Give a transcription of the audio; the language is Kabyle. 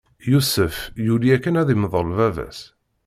Yusef yuli akken ad imḍel baba-s.